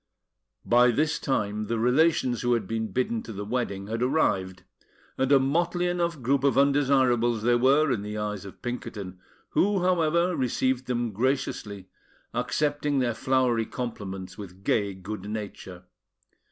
By this time, the relations who had been bidden to the wedding had arrived; and a motley enough group of undesirables they were in the eyes of Pinkerton, who, however, received them graciously, accepting their flowery compliments with gay good nature.